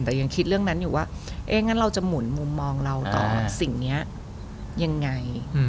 แต่ยังคิดเรื่องนั้นอยู่ว่างั้นเราจะหมุนมุมมองเราต่อสิ่งนี้ยังไง